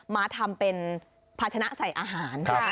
มาทำเป็นภาชนะใส่อาหาร